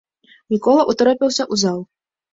Мікола ўтаропіўся ў зал.